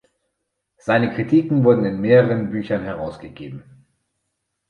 Seine Kritiken wurden in mehreren Büchern herausgegeben.